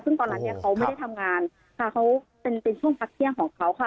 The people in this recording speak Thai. ซึ่งตอนนั้นเนี่ยเขาไม่ได้ทำงานค่ะเขาเป็นเป็นช่วงพักเที่ยงของเขาค่ะ